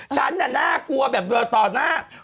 ชั้นน่ากลัวต่อน้ำ